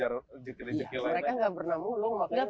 ya mereka nggak pernah mulung makanya barang banyak